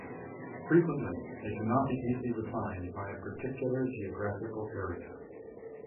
Frequently, they cannot be easily defined by a particular geographical area.